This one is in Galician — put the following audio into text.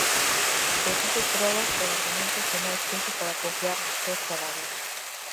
Preciso probas e argumentos de máis peso para confiar nas túas palabras.